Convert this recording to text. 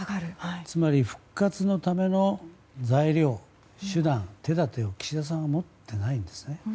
つまり復活のための材料、手段手立てを岸田さんは持っていないんですね。